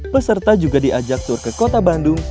peserta juga diajak tur ke kota bandung